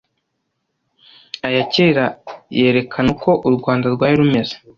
Aya kera yerekana uko u Rwanda rwari rumeze